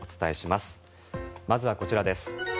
まずはこちらです。